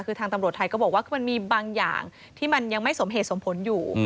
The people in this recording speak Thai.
คือทางตำรวจไทยก็บอกว่าคือมันมีบางอย่างที่มันยังไม่สมเหตุสมผลอยู่